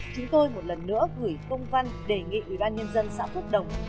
chúng tôi một lần nữa gửi công văn đề nghị ubnd xã phước đồng